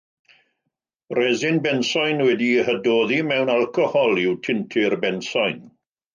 Resin bensoin wedi'i hydoddi mewn alcohol yw tintur bensoin.